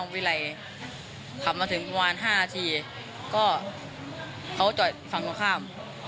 กว้างแล้วเขาก็ขับวนกลับแล้วทีนี้เขาก็วนไปวนมาอยู่นั่น